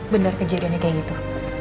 bener kejadiannya kayak gitu